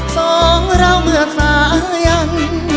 สองเราเมื่อสายัน